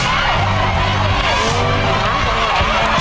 หอมแล้วทุกคนใช่ไหมครับ